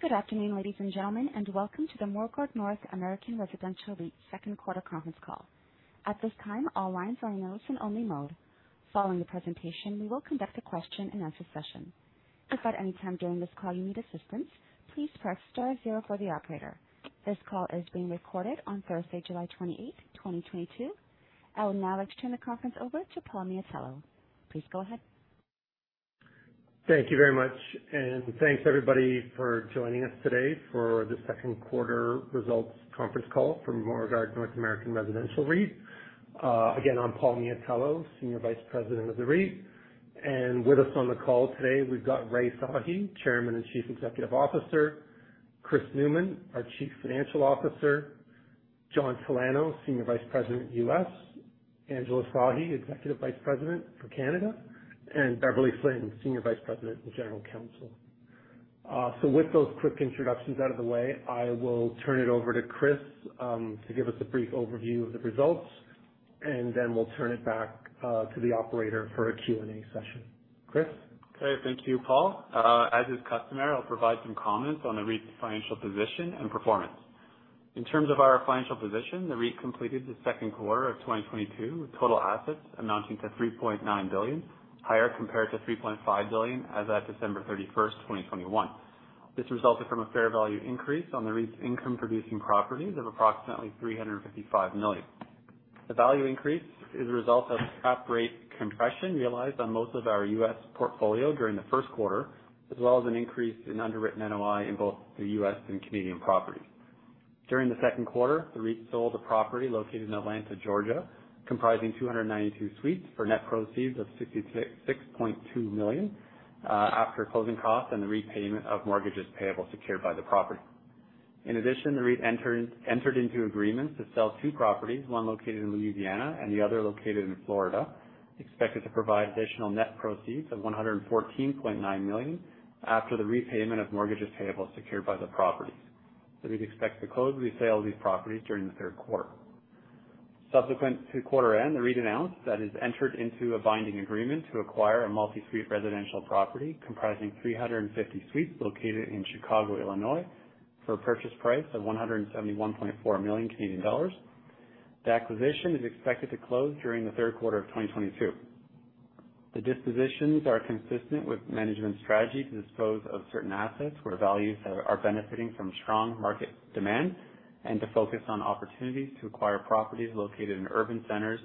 Good afternoon, ladies and gentlemen, and welcome to the Morguard North American Residential REIT second quarter conference call. At this time, all lines are in listen-only mode. Following the presentation, we will conduct a question-and-answer session. If at any time during this call you need assistance, please press star zero for the operator. This call is being recorded on Thursday, July 28th, 2022. I would now like to turn the conference over to Paul Miatello. Please go ahead. Thank you very much, and thanks, everybody, for joining us today for the second quarter results conference call from Morguard North American Residential REIT. Again, I'm Paul Miatello, Senior Vice President of the REIT. With us on the call today, we've got Rai Sahi, Chairman and Chief Executive Officer, Chris Neumann, our Chief Financial Officer, John Tolano, Senior Vice President, U.S., Angela Sahi, Executive Vice President for Canada, and Beverly Slinn, Senior Vice President and General Counsel. So with those quick introductions out of the way, I will turn it over to Chris to give us a brief overview of the results, and then we'll turn it back to the operator for a Q&A session. Chris. Okay. Thank you, Paul. As is customary, I'll provide some comments on the REIT's financial position and performance. In terms of our financial position, the REIT completed the second quarter of 2022 with total assets amounting to 3.9 billion, higher compared to 3.5 billion as at December 31st, 2021. This resulted from a fair value increase on the REIT's income-producing properties of approximately 355 million. The value increase is a result of cap rate compression realized on most of our U.S. portfolio during the first quarter, as well as an increase in underwritten NOI in both the U.S. and Canadian properties. During the second quarter, the REIT sold a property located in Atlanta, Georgia, comprising 292 suites for net proceeds of 66.6 million after closing costs and the repayment of mortgages payable secured by the property. In addition, the REIT entered into agreements to sell two properties, one located in Louisiana and the other located in Florida, expected to provide additional net proceeds of 114.9 million after the repayment of mortgages payable secured by the properties. The REIT expects to close the sale of these properties during the third quarter. Subsequent to quarter end, the REIT announced that it's entered into a binding agreement to acquire a multi-suite residential property comprising 350 suites located in Chicago, Illinois, for a purchase price of 171.4 million Canadian dollars. The acquisition is expected to close during the third quarter of 2022. The dispositions are consistent with management's strategy to dispose of certain assets where values are benefiting from strong market demand and to focus on opportunities to acquire properties located in urban centers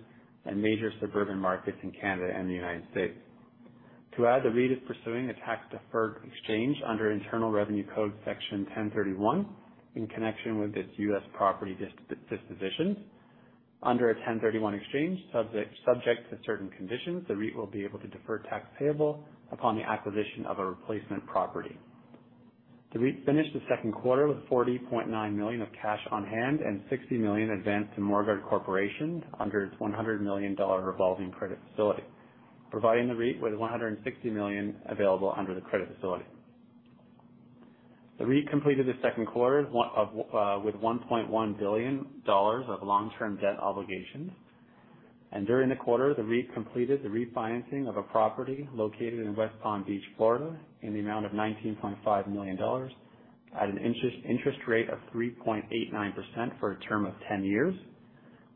and major suburban markets in Canada and the United States. To add, the REIT is pursuing a tax-deferred exchange under Internal Revenue Code Section 1031 in connection with its US property disposition. Under a 1031 exchange, subject to certain conditions, the REIT will be able to defer tax payable upon the acquisition of a replacement property. The REIT finished the second quarter with 40.9 million of cash on hand and 60 million advanced to Morguard Corporation under its 100 million dollar revolving credit facility, providing the REIT with 160 million available under the credit facility. The REIT completed the second quarter with $1.1 billion of long-term debt obligations. During the quarter, the REIT completed the refinancing of a property located in West Palm Beach, Florida, in the amount of $19.5 million at an interest rate of 3.89% for a term of 10 years.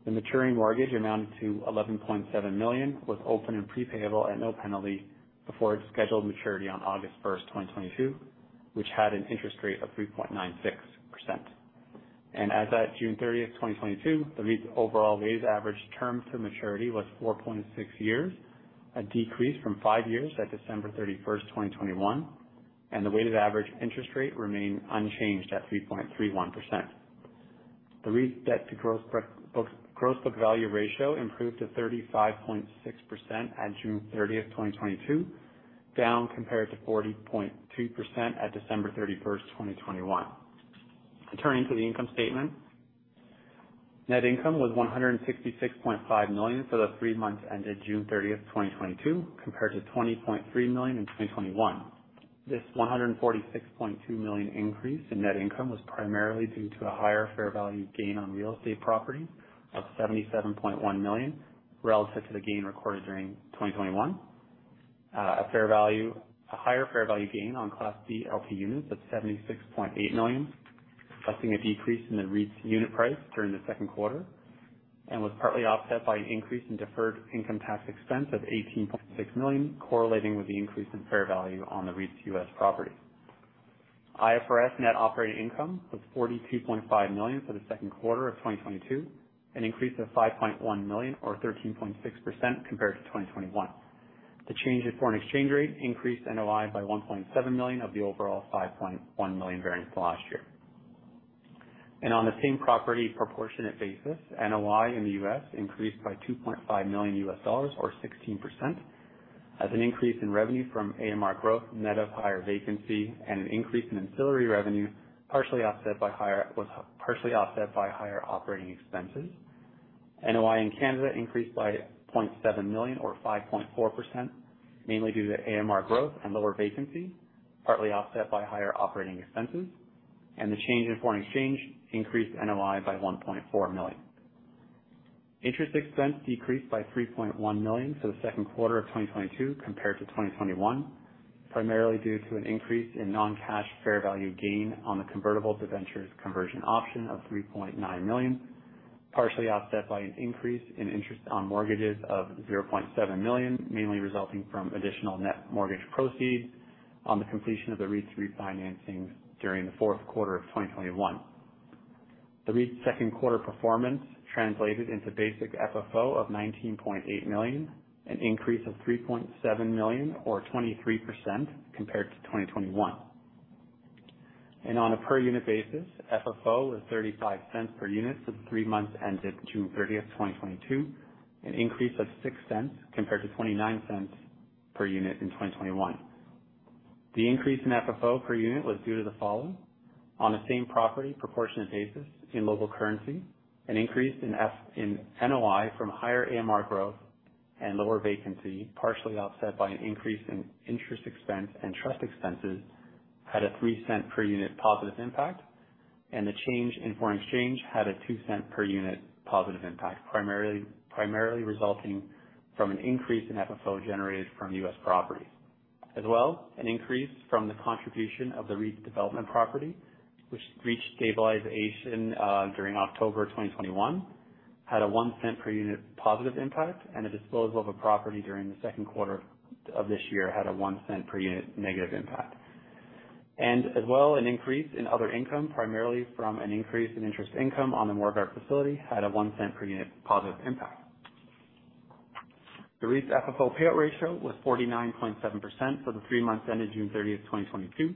The maturing mortgage amounted to $11.7 million, was open and pre-payable at no penalty before its scheduled maturity on August 1, 2022, which had an interest rate of 3.96%. As at June 30th, 2022, the REIT's overall weighted average term to maturity was 4.6 years, a decrease from five years at December 31st, 2021, and the weighted average interest rate remained unchanged at 3.31%. The REIT's debt to gross book value ratio improved to 35.6% at June 30th, 2022, down compared to 40.2% at December 31st, 2021. Turning to the income statement. Net income was CAD 166.5 million for the three months ended June 30th, 2022, compared to 20.3 million in 2021. This 146.2 million increase in net income was primarily due to a higher fair value gain on real estate property of 77.1 million relative to the gain recorded during 2021. A higher fair value gain on Class B LP units of 76.8 million, reflecting a decrease in the REIT's unit price during the second quarter, and was partly offset by an increase in deferred income tax expense of 18.6 million, correlating with the increase in fair value on the REIT's U.S. property. IFRS net operating income was 42.5 million for the second quarter of 2022, an increase of 5.1 million or 13.6% compared to 2021. The change in foreign exchange rate increased NOI by 1.7 million of the overall 5.1 million variance to last year. On the same property proportionate basis, NOI in the U.S. increased by $2.5 million or 16% as an increase in revenue from AMR growth net of higher vacancy and an increase in ancillary revenue, partially offset by higher operating expenses. NOI in Canada increased by 0.7 million or 5.4%, mainly due to AMR growth and lower vacancy, partly offset by higher operating expenses, and the change in foreign exchange increased NOI by 1.4 million. Interest expense decreased by 3.1 million for the second quarter of 2022 compared to 2021, primarily due to an increase in non-cash fair value gain on the convertible debentures conversion option of 3.9 million, partially offset by an increase in interest on mortgages of 0.7 million, mainly resulting from additional net mortgage proceeds on the completion of the REIT's refinancing during the fourth quarter of 2021. The REIT's second quarter performance translated into basic FFO of 19.8 million, an increase of 3.7 million or 23% compared to 2021. On a per unit basis, FFO was 0.35 per unit for the three months ended June thirtieth, 2022, an increase of 0.06 compared to 0.29 per unit in 2021. The increase in FFO per unit was due to the following. On the same property proportionate basis in local currency, an increase in NOI from higher AMR growth and lower vacancy, partially offset by an increase in interest expense and trust expenses, had a 0.03 per unit positive impact, and the change in foreign exchange had a 0.02 per unit positive impact, primarily resulting from an increase in FFO generated from US properties. As well, an increase from the contribution of the REIT's development property, which reached stabilization during October 2021, had a 0.01 per unit positive impact, and a disposal of a property during the second quarter of this year had a 0.01 per unit negative impact. As well, an increase in other income, primarily from an increase in interest income on the mortgage facility, had a 0.01 per unit positive impact. The REIT's FFO payout ratio was 49.7% for the three months ended June 30th, 2022,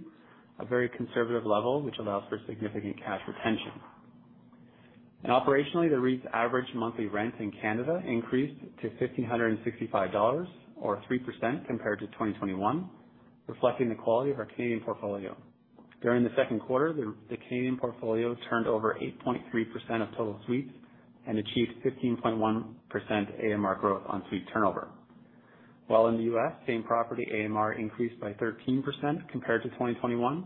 a very conservative level, which allows for significant cash retention. Operationally, the REIT's average monthly rent in Canada increased to 1,565 dollars or 3% compared to 2021, reflecting the quality of our Canadian portfolio. During the second quarter, the Canadian portfolio turned over 8.3% of total suites and achieved 15.1% AMR growth on suite turnover. While in the U.S., same property AMR increased by 13% compared to 2021,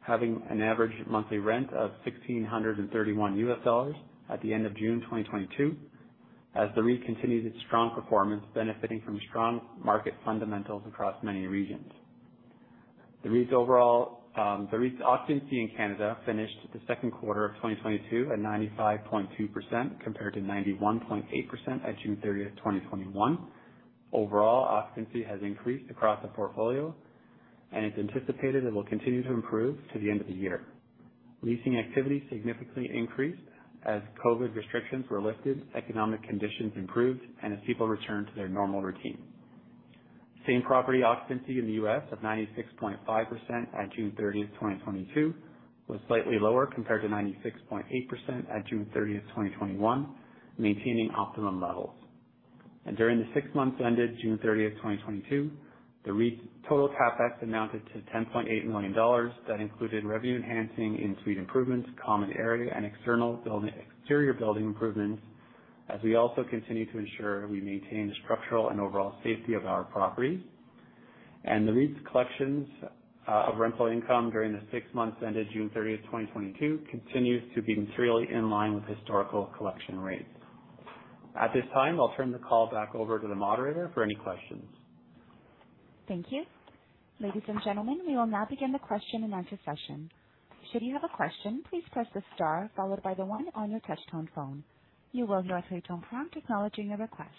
having an average monthly rent of $1,631 at the end of June 2022 as the REIT continues its strong performance, benefiting from strong market fundamentals across many regions. The REIT's overall occupancy in Canada finished the second quarter of 2022 at 95.2% compared to 91.8% at June 30th, 2021. Overall, occupancy has increased across the portfolio and it's anticipated it will continue to improve to the end of the year. Leasing activity significantly increased as COVID restrictions were lifted, economic conditions improved, and as people returned to their normal routines. Same property occupancy in the U.S. of 96.5% at June 30th, 2022 was slightly lower compared to 96.8% at June 30th, 2021, maintaining optimum levels. During the six months ended June 30th, 2022, the REIT's total CapEx amounted to 10.8 million dollars. That included revenue enhancing in-suite improvements, common area and exterior building improvements, as we also continue to ensure we maintain the structural and overall safety of our properties. The REIT's collections of rental income during the six months ended June 30th, 2022 continues to be materially in line with historical collection rates. At this time, I'll turn the call back over to the moderator for any questions. Thank you. Ladies and gentlemen, we will now begin the question and answer session. Should you have a question, please press the star followed by the one on your touch tone phone. You will hear a tone acknowledging the request.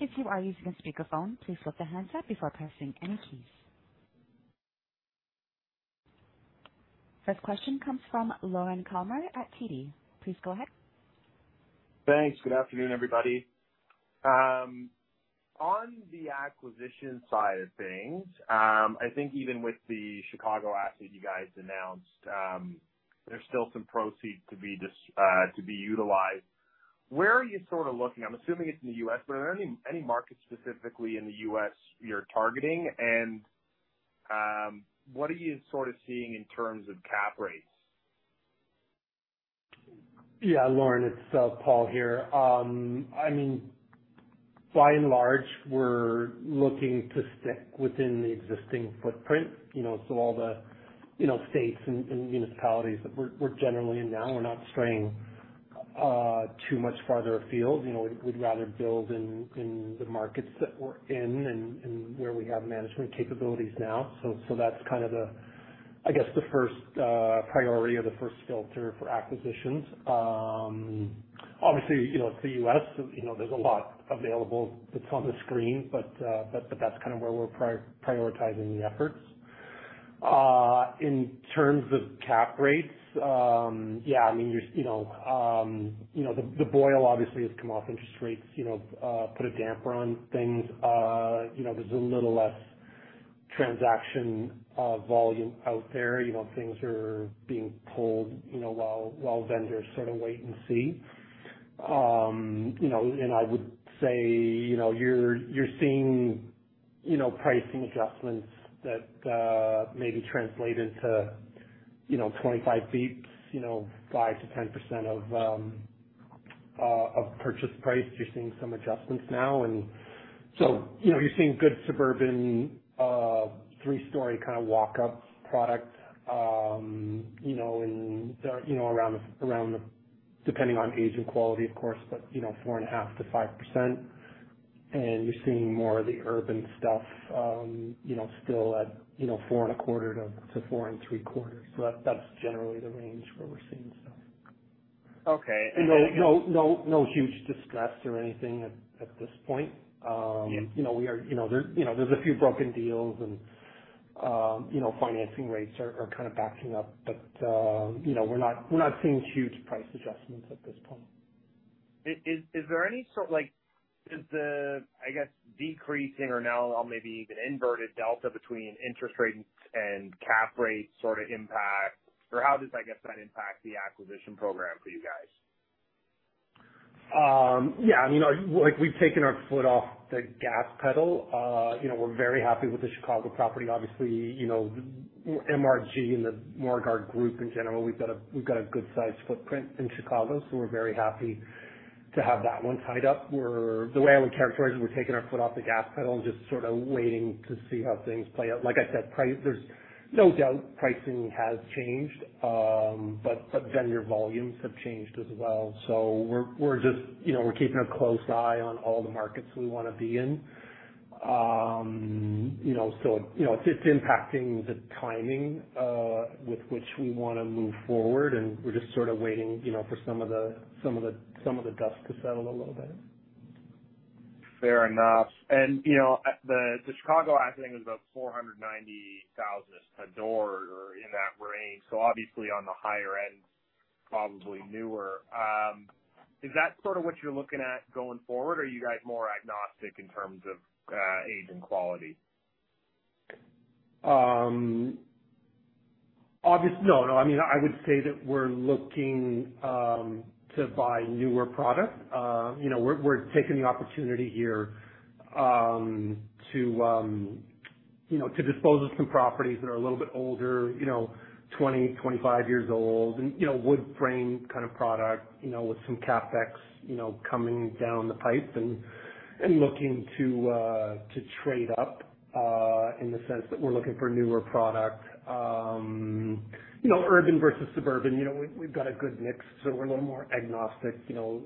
If you are using a speakerphone, please lift the handset before pressing any keys. First question comes from Lorne Kalmar at TD. Please go ahead. Thanks. Good afternoon, everybody. On the acquisition side of things, I think even with the Chicago asset you guys announced, there's still some proceeds to be utilized. Where are you sort of looking? I'm assuming it's in the US, but are there any markets specifically in the US you're targeting? What are you sort of seeing in terms of cap rates? Yeah. Lorne, it's Paul here. I mean, by and large, we're looking to stick within the existing footprint, you know, so all the, you know, states and municipalities that we're generally in now, we're not straying too much farther afield. You know, we'd rather build in the markets that we're in and where we have management capabilities now. So that's kind of the, I guess, the first priority or the first filter for acquisitions. Obviously, you know, it's the U.S., so, you know, there's a lot available that's on the screen, but that's kind of where we're prioritizing the efforts. In terms of cap rates, yeah, I mean, you know, the boil obviously has come off interest rates, you know, put a damper on things. You know, there's a little less transaction volume out there. You know, things are being pulled, you know, while vendors sort of wait and see. You know, I would say, you know, you're seeing, you know, pricing adjustments that maybe translate into, you know, 25 basis points, you know, 5%-10% of purchase price. You're seeing some adjustments now. You know, you're seeing good suburban Three-story kind of walk-up product. You know, depending on age and quality of course, but you know, 4.5%-5%. You're seeing more of the urban stuff, you know, still at, you know, 4.25%-4.75%. That's generally the range where we're seeing stuff. Okay. No, no huge distress or anything at this point. Yeah. You know, we are, you know, there, you know, there's a few broken deals and, you know, financing rates are kind of backing up. You know, we're not seeing huge price adjustments at this point. Is there any sort of like, is the, I guess, decreasing or now maybe even inverted delta between interest rates and cap rates sort of impact? Or how does, I guess, that impact the acquisition program for you guys? Yeah. I mean, like, we've taken our foot off the gas pedal. You know, we're very happy with the Chicago property. Obviously, you know, MRG.UN and the Morguard group in general, we've got a good sized footprint in Chicago, so we're very happy to have that one tied up. The way I would characterize it, we're taking our foot off the gas pedal and just sort of waiting to see how things play out. Like I said, there's no doubt pricing has changed, but vendor volumes have changed as well. We're just, you know, keeping a close eye on all the markets we wanna be in. You know, it's impacting the timing with which we wanna move forward and we're just sort of waiting, you know, for some of the dust to settle a little bit. Fair enough. You know, the Chicago I think was about 490,000 a door or in that range, so obviously on the higher end, probably newer. Is that sort of what you're looking at going forward or are you guys more agnostic in terms of age and quality? I mean, I would say that we're looking to buy newer product. You know, we're taking the opportunity here to dispose of some properties that are a little bit older, you know, 20-25 years old and, you know, wood frame kind of product, you know, with some CapEx, you know, coming down the pipe and looking to trade up in the sense that we're looking for newer product. You know, urban versus suburban, you know, we've got a good mix, so we're a little more agnostic, you know,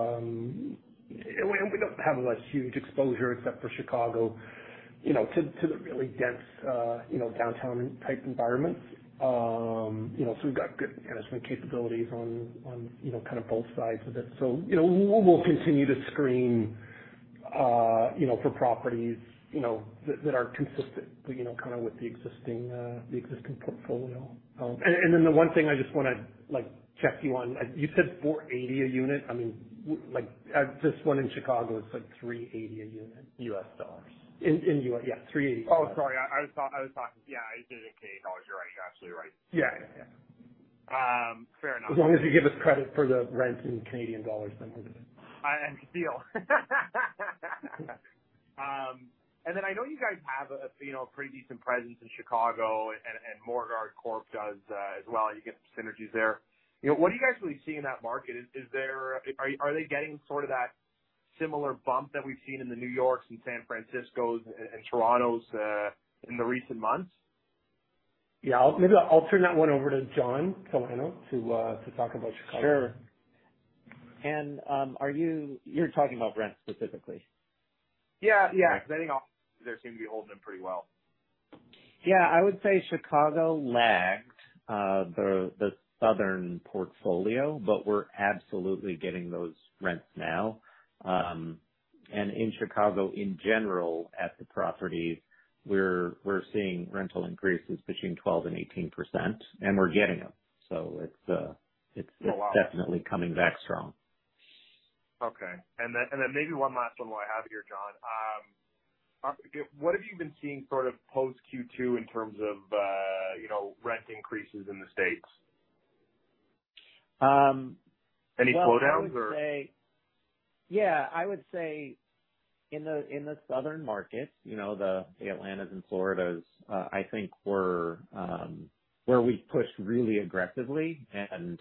and we don't have huge exposure except for Chicago, you know, to the really dense, you know, downtown type environments. You know, we've got good management capabilities on you know, kind of both sides of this. You know, we'll continue to screen for properties you know, that are consistent you know, kind of with the existing portfolio. Then the one thing I just wanna like, check you on. You said $480 a unit. I mean, like at this one in Chicago it's like $380 a unit. U.S. dollars. In US, yeah, $380. Oh, sorry. Yeah, it is in Canadian dollars. You're right. You're absolutely right. Yeah, yeah. Fair enough. As long as you give us credit for the rent in Canadian dollars then. I know you guys have a, you know, a pretty decent presence in Chicago and Morguard Corporation does as well. You get some synergies there. You know, what are you guys really seeing in that market? Are they getting sort of that similar bump that we've seen in the New York, San Francisco, and Toronto in the recent months? Yeah. Maybe I'll turn that one over to John Tolano to talk about Chicago. Sure. Are you talking about rent specifically? Yeah. Because I think all their team have been holding them pretty well. Yeah. I would say Chicago lagged the southern portfolio, but we're absolutely getting those rents now. In Chicago in general, at the properties, we're seeing rental increases between 12% and 18%, and we're getting them. Oh, wow. It's definitely coming back strong. Okay. Maybe one last one while I have you here, John. What have you been seeing sort of post Q2 in terms of, you know, rent increases in the States? Um. Any slowdowns or. Well, I would say. Yeah. I would say in the southern markets, you know, the Atlantas and Floridas, I think where we pushed really aggressively. In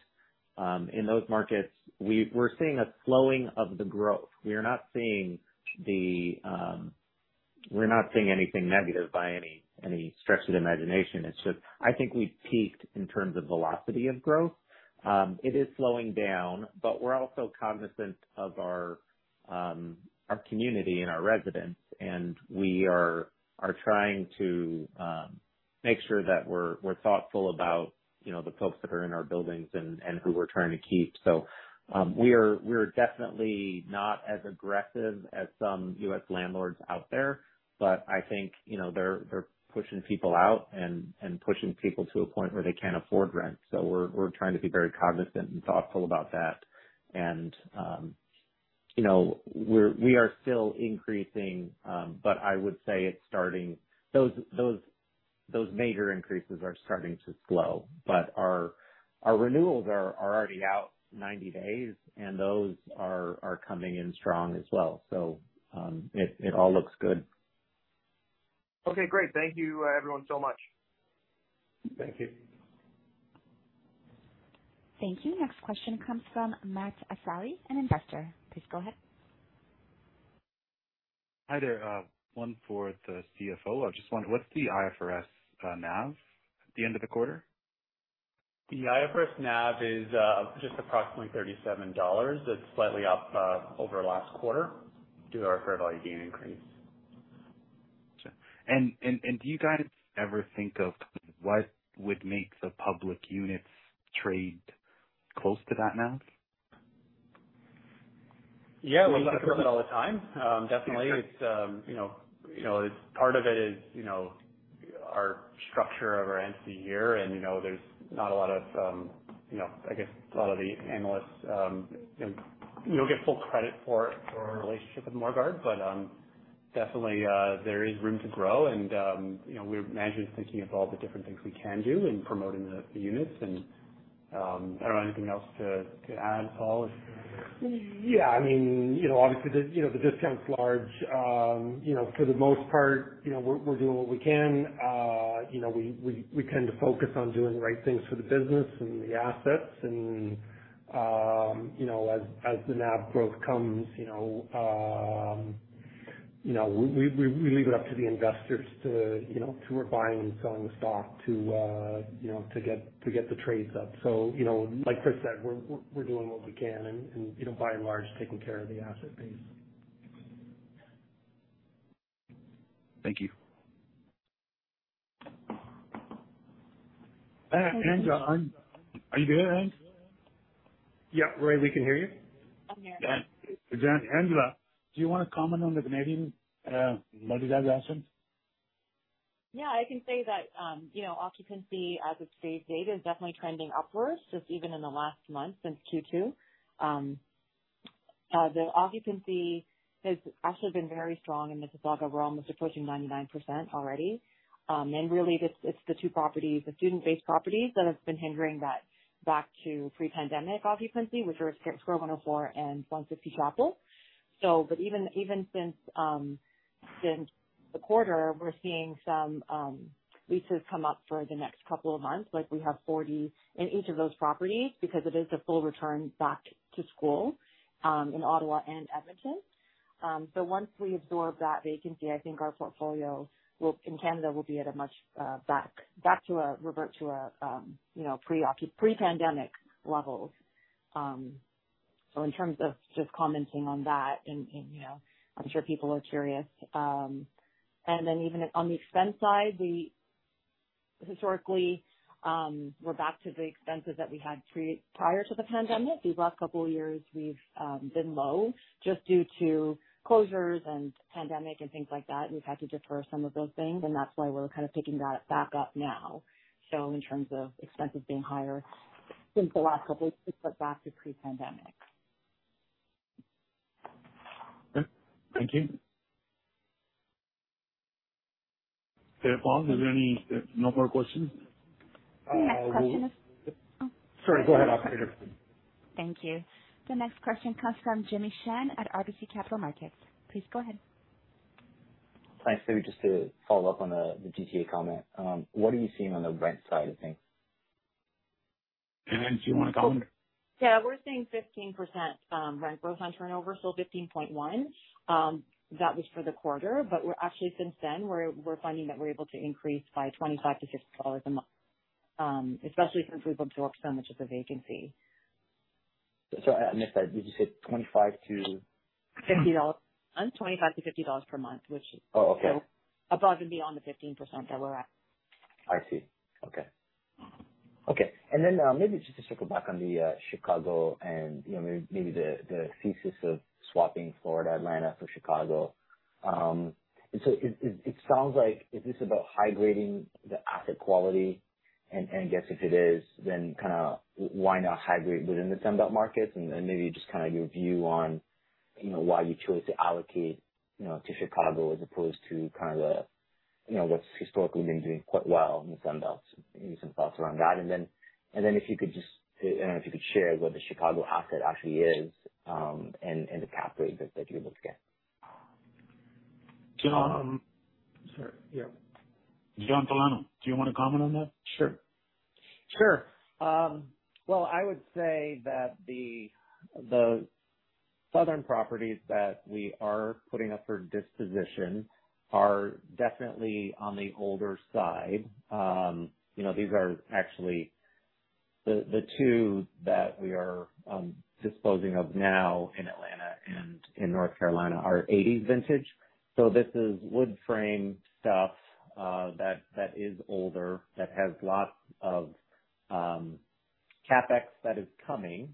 those markets we're seeing a slowing of the growth. We are not seeing anything negative by any stretch of the imagination. It's just I think we've peaked in terms of velocity of growth. It is slowing down, but we're also cognizant of our community and our residents, and we are trying to make sure that we're thoughtful about, you know, the folks that are in our buildings and who we're trying to keep. We are definitely not as aggressive as some US landlords out there, but I think, you know, they're pushing people out and pushing people to a point where they can't afford rent. We're trying to be very cognizant and thoughtful about that. We are still increasing, but I would say those major increases are starting to slow, but our renewals are already out 90 days, and those are coming in strong as well. It all looks good. Okay, great. Thank you, everyone, so much. Thank you. Thank you. Next question comes from Matt Assali, an investor. Please go ahead. Hi there. One for the CFO. I just wonder what's the IFRS NAV at the end of the quarter? The IFRS NAV is just approximately 37 dollars. It's slightly up over last quarter due to our fair value gain increase. Sure. Do you guys ever think of what would make the public units trade close to that NAV? Yeah. We think of it all the time. Definitely. It's you know you know it's part of it is you know our structure of our entity here and you know there's not a lot of you know I guess a lot of the analysts you know we don't get full credit for our relationship with Morguard but definitely there is room to grow and you know management's thinking of all the different things we can do in promoting the units. I don't know anything else to add, Paul. Yeah. I mean, you know, obviously the discount's large. You know, for the most part, you know, we're doing what we can. You know, we tend to focus on doing the right things for the business and the assets and, you know, as the NAV growth comes, you know, we leave it up to the investors to, you know, who are buying and selling the stock to, you know, to get the trades up. You know, like Chris said, we're doing what we can and, you know, by and large, taking care of the asset base. Thank you. Angela, are you there, Ang? Yeah. Rai, we can hear you. Yeah. Angela, do you wanna comment on the Canadian, multi-family assets? Yeah, I can say that, you know, occupancy as of today's date is definitely trending upwards, just even in the last month since Q2. The occupancy has actually been very strong in Mississauga. We're almost approaching 99% already. And really it's the two properties, the student-based properties that have been hindering that back to pre-pandemic occupancy, which are The Square and 150 Chapel. But even since the quarter, we're seeing some leases come up for the next couple of months. Like we have 40 in each of those properties because it is a full return back to school in Ottawa and Edmonton. Once we absorb that vacancy, I think our portfolio in Canada will revert to pre-pandemic levels. In terms of just commenting on that and, you know, I'm sure people are curious. Then even on the expense side, we're back to the expenses that we had prior to the pandemic. These last couple of years we've been low just due to closures and pandemic and things like that. We've had to defer some of those things and that's why we're kind of picking that back up now. In terms of expenses being higher than the last couple years, but back to pre-pandemic. Okay. Thank you. Okay, Paul, no more questions? The next question is. Sorry. Go ahead, operator. Thank you. The next question comes from Jimmy Shan at RBC Capital Markets. Please go ahead. Thanks. Maybe just to follow up on the GTA comment. What are you seeing on the rent side of things? Angela, do you wanna comment? Yeah. We're seeing 15% rent growth on turnover, so 15.1%. That was for the quarter. We're actually, since then, we're finding that we're able to increase by 25-50 dollars a month, especially since we've absorbed so much of the vacancy. I missed that. Did you say 25 to- 50 dollars. 25-50 dollars per month. Oh, okay. Above and beyond the 15% that we're at. I see. Okay. Okay. Maybe just to circle back on the Chicago and, you know, maybe the thesis of swapping Florida, Atlanta for Chicago. So it sounds like is this about high grading the asset quality? I guess if it is, then kinda why not high grade within the Sun Belt markets? Maybe just kinda your view on, you know, why you chose to allocate, you know, to Chicago as opposed to kind of the, you know, what's historically been doing quite well in the Sun Belt. Maybe some thoughts around that. If you could just, I don't know if you could share what the Chicago asset actually is, and the cap rate that you're able to get. John. Sure. Yeah. John Talano, do you wanna comment on that? Sure. Well, I would say that the southern properties that we are putting up for disposition are definitely on the older side. You know, these are actually the two that we are disposing of now in Atlanta and in North Carolina are 80s vintage. This is wood frame stuff that is older that has lots of CapEx that is coming.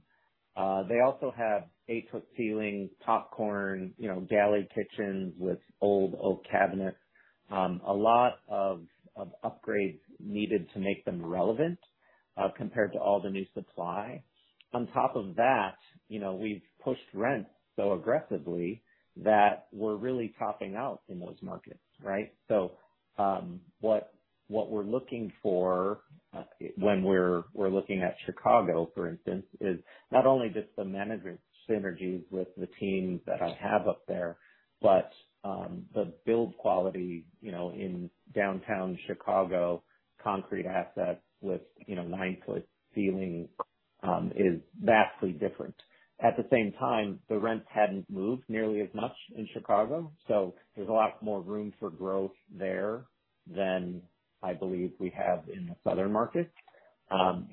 They also have 8-foot ceiling, popcorn, you know, galley kitchens with old oak cabinets. A lot of upgrades needed to make them relevant compared to all the new supply. On top of that, you know, we've pushed rent so aggressively that we're really topping out in those markets, right? What we're looking for when we're looking at Chicago, for instance, is not only just the management synergies with the team that I have up there, but the build quality, you know, in downtown Chicago concrete asset with, you know, 9-foot ceiling is vastly different. At the same time, the rents hadn't moved nearly as much in Chicago, so there's a lot more room for growth there than I believe we have in the southern markets.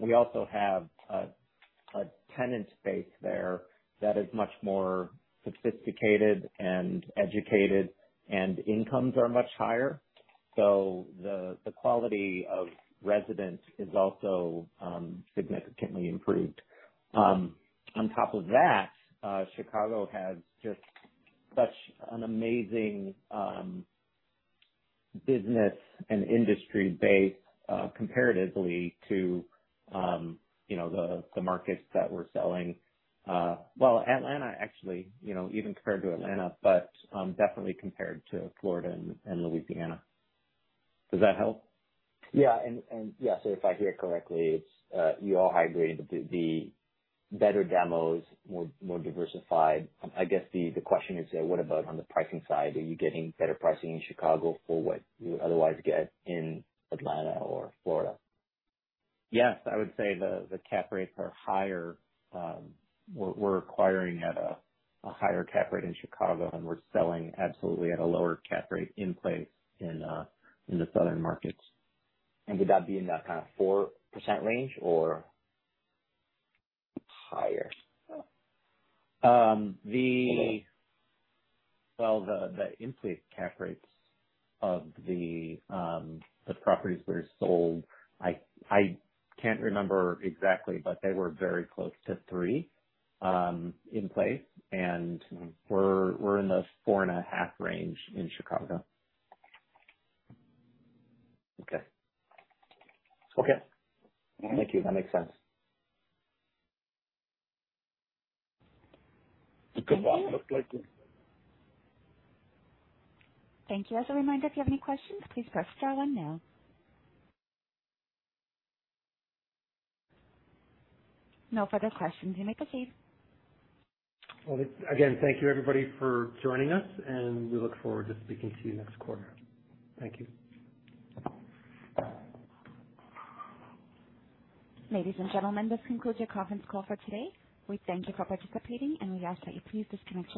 We also have a tenant base there that is much more sophisticated and educated, and incomes are much higher. The quality of residents is also significantly improved. On top of that, Chicago has just such an amazing business and industry base, comparatively to, you know, the markets that we're selling. Well, Atlanta, actually, you know, even compared to Atlanta, but definitely compared to Florida and Louisiana. Does that help? Yeah, so if I hear correctly, it's you all acquired the better demos, more diversified. I guess the question is, what about on the pricing side? Are you getting better pricing in Chicago for what you would otherwise get in Atlanta or Florida? Yes. I would say the cap rates are higher. We're acquiring at a higher cap rate in Chicago, and we're selling absolutely at a lower cap rate in place in the southern markets. Would that be in that kinda 4% range or higher? The in-place cap rates of the properties that are sold, I can't remember exactly, but they were very close to 3% in place. We're in the 4.5% range in Chicago. Okay. Okay. Thank you. That makes sense. Thank you. As a reminder, if you have any questions, please press star one now. No further questions. You may proceed. Well, again, thank you, everybody, for joining us, and we look forward to speaking to you next quarter. Thank you. Ladies and gentlemen, this concludes your conference call for today. We thank you for participating, and we ask that you please disconnect your lines.